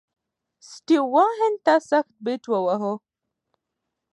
سټیو وا هند ته سخت بیټ وواهه.